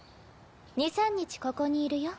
２３日ここにいるよ。